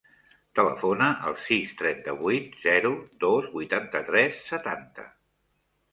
Telefona al sis, trenta-vuit, zero, dos, vuitanta-tres, setanta.